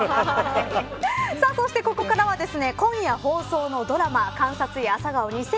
そして、ここからは今夜放送のドラマ監察医朝顔２０２２